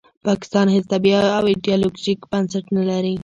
پاکستان هیڅ طبیعي او ایډیالوژیک بنسټ نلري